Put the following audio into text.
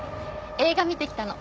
映画見てきたの。